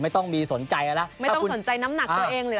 ไม่ต้องมีสนใจแล้วไม่ต้องสนใจน้ำหนักตัวเองหรืออะไรยังไงเลย